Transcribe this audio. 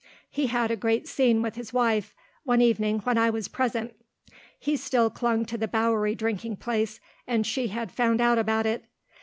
He had a great scene with his wife, one evening when I was present. He still clung to the Bowery drinking place, and she had found out about it.